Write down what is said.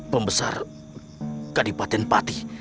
pembesar kadipatin pati